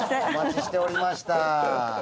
お待ちしておりました。